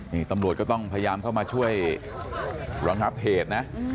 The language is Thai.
นี่ตำรวจก็ต้องพยายามเข้ามาช่วยระงับเหตุนะ